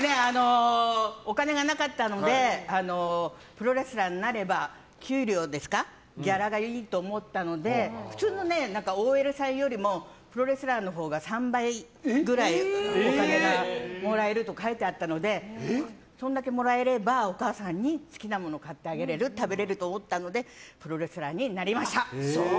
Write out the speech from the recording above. お金がなかったのでプロレスラーになればギャラがいいと思ったので普通のＯＬさんよりもプロレスラーのほうが３倍くらいお金がもらえると書いてあったのでそれだけもらえればお母さんに好きなものを買ってあげられる食べられると思ったのでプロレスラーになりました。